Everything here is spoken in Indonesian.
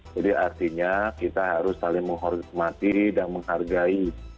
jadi artinya kita harus saling menghormati dan menghargai